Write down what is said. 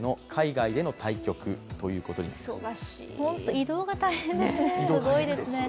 移動が大変ですね、すごいですね。